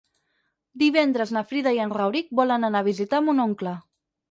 Divendres na Frida i en Rauric volen anar a visitar mon oncle.